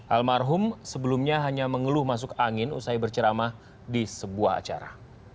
almarhum sebelumnya hanya mengeluh masuk angin usai berceramah di sebuah acara